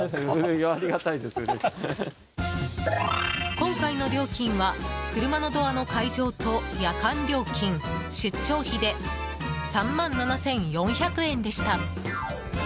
今回の料金は車のドアの解錠と夜間料金、出張費で３万７４００円でした。